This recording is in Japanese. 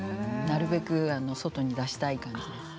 なるべく外に出したい感じです。